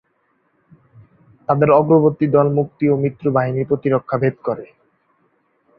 তাদের অগ্রবর্তী দল মুক্তি ও মিত্র বাহিনীর প্রতিরক্ষা ভেদ করে।